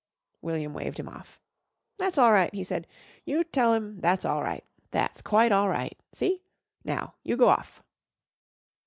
William waved him off. "That's all right," he said. "You tell 'em that's all right. That's quite all right. See? Now, you go off!"